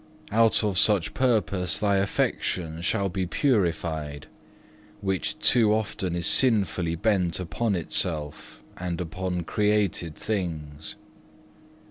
Out of such purpose thy affection shall be purified, which too often is sinfully bent upon itself and upon created things.